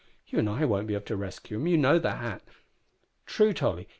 You and I won't be able to rescue him, you know." "True, Tolly.